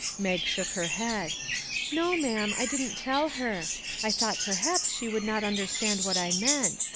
' Mag shook her head. " No, ma'am, I didn't tell her. I thought, perhaps, she would not understand what I meant.